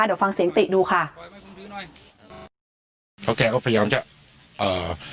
เดี๋ยวฟังเสียงติดูค่ะเพราะแกก็พยายามจะเอ่อ